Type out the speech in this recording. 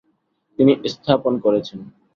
তিনি স্থাপন করেছেন।